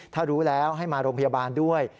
ถ้ารู้แล้วให้มาโรงพยาบาลด้วย